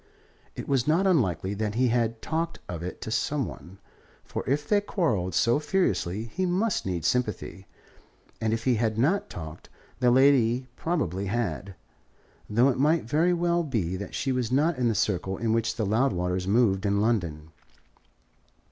It was not unlikely that he had talked of it to some one, for if they quarrelled so furiously he must need sympathy; and if he had not talked, the lady probably had, though it might very well be that she was not in the circle in which the Loudwaters moved in London.